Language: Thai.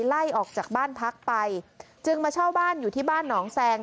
ไล่ออกจากบ้านพักไปจึงมาเช่าบ้านอยู่ที่บ้านหนองแซง